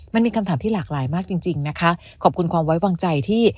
มันมีคำถามที่หลากหลายมากจริงจริงนะคะขอบคุณความไว้วางใจที่